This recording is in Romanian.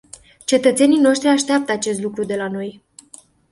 Cetățenii noștri așteaptă acest lucru de la noi.